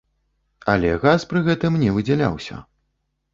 Але газ пры гэтым не выдзяляўся.